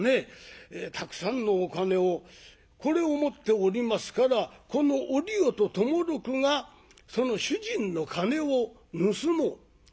たくさんのお金をこれを持っておりますからこのおりよと友六がその主人の金を盗もう。